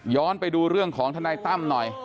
ไปดูเรื่องของทนายตั้มหน่อย